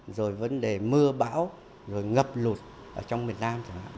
rồi vấn đề mưa bão rồi ngập lụt ở trong miền nam